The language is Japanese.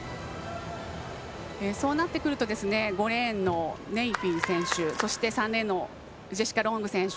そうなってくると５レーンのネイフィ選手そして３レーンのジェシカ・ロング選手